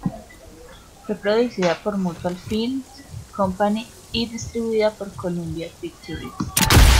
Fue producida por Mutual Film Company y distribuida por Columbia Pictures.